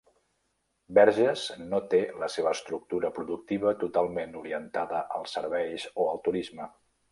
Verges no té la seva estructura productiva totalment orientada als serveis o el turisme.